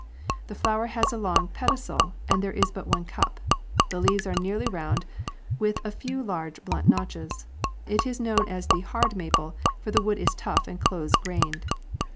The flo erhas a long pedicel and there is but one cup. The leaves are nearly round, with a few ' large, blunt notches. It is known as the "hard" maple, for the wood is tough and close grained.